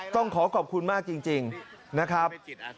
ต้องขอขอบคุณมากจริงนะครับ